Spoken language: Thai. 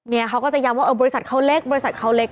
เขาก็จะย้ำว่าเออบริษัทเขาเล็กบริษัทเขาเล็ก